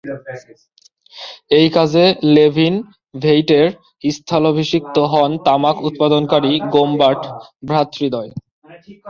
এই কাজে লেভিন ভেইটের স্থলাভিষিক্ত হন তামাক উৎপাদনকারী গোমবার্ট ভ্রাতৃদ্বয়।